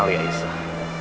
kenal ya aisyah